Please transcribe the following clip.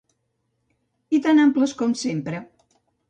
I tan amples com sempre.